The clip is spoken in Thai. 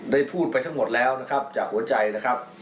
ได้พูดไปทั้งหมดแล้วนะครับจากหัวใจนะครับ